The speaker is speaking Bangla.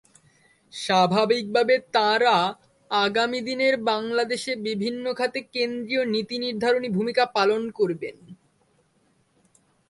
স্বাভাবিকভাবে তাঁরা আগামী দিনের বাংলাদেশে বিভিন্ন খাতে কেন্দ্রীয় নীতিনির্ধারণী ভূমিকা পালন করবেন।